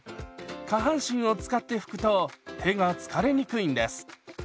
下半身を使って拭くと手が疲れにくいんです。